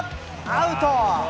アウト。